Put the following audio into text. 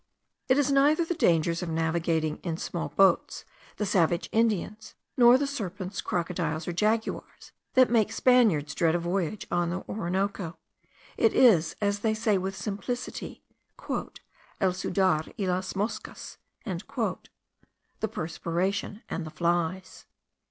It is neither the dangers of navigating in small boats, the savage Indians, nor the serpents, crocodiles, or jaguars, that make Spaniards dread a voyage on the Orinoco; it is, as they say with simplicity, "el sudar y las moscas," (the perspiration and the flies).